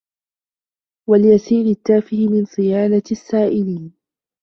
وَالْيَسِيرِ التَّافِهِ مِنْ صِيَانَةِ السَّائِلِينَ